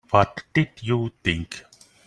What did you think?